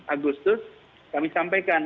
agustus kami sampaikan